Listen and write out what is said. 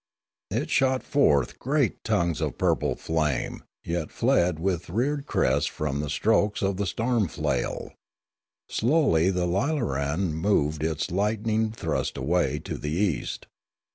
It shot forth great tongues of purple flame, yet fled with reared crest from the strokes of the storm flail. Slowly the lilaran moved its light ning thrust away to the east.